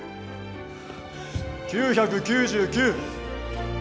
９９９。